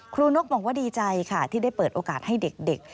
นกบอกว่าดีใจค่ะที่ได้เปิดโอกาสให้เด็ก